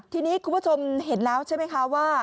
ทีนี้คุณผู้ชมเห็นแล้วใช่ไหมคะว่า